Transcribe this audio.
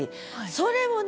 それをね